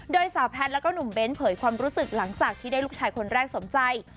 โดยสาวแพทย์แล้วก็หนุ่มเบ้นเผยความรู้สึกหลังจากที่ได้ลูกชายคนแรกสมใจ